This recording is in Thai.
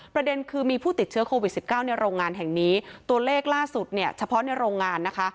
ประเด็นคือมีผู้ติดเชื้อโควิดสิบเก้าในโรงงานแห่งนี้ตัวเลขล่าสุดเนี่ยเฉพาะในโรงงานนะคะ